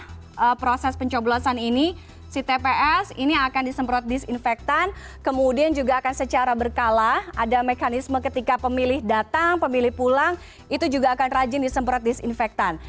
setelah proses pencoblosan ini si tps ini akan disemprot disinfektan kemudian juga akan secara berkala ada mekanisme ketika pemilih datang pemilih pulang itu juga akan rajin disemprot disinfektan